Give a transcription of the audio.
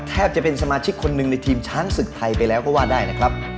จะเป็นสมาชิกคนหนึ่งในทีมช้างศึกไทยไปแล้วก็ว่าได้นะครับ